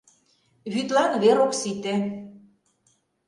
Вӱдлан вер ок сите.